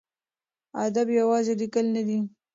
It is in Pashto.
ادب یوازې لیکل نه دي.